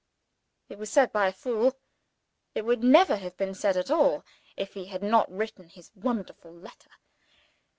It was said by a fool: it would never have been said at all, if he had not written his wonderful letter.